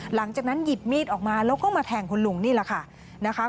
หลังจากนั้นหยิบมีดออกมาแล้วก็มาแทงคุณลุงนี่แหละค่ะนะคะ